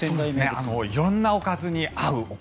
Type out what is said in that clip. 色んなおかずに合う。